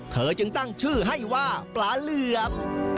เธอจึงตั้งชื่อให้ว่าปลาเหลือม